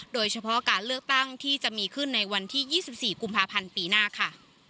โดยเฉพาะการเลือกตั้งที่จะมีขึ้นในวันที่๒๔กุมภาพันธ์ปีหน้าค่ะ